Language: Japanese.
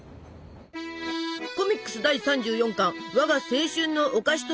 コミックス第３４巻「我が青春のお菓子特集」。